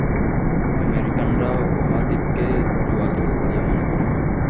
আমেরিকানরা উহাদিগকে জুয়াচোর বলিয়া মনে করে।